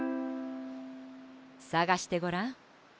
さがしてごらん。